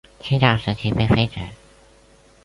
秦朝时期被废止。